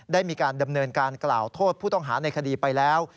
ได้มีการดำเนินการกล่าวโทษผู้ต้องหาในคดีไปแล้ว